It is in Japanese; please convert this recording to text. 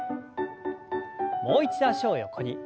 もう一度脚を横に。